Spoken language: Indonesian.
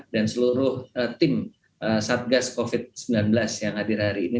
dan seluruh tim satgas covid sembilan belas yang hadir hari ini